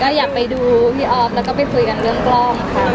ก็อยากไปดูพี่อ๊อฟแล้วก็ไปคุยกันเรื่องกล้องค่ะ